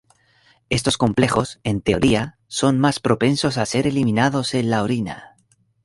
Estos complejos, en teoría, son más propensos a ser eliminados en la orina.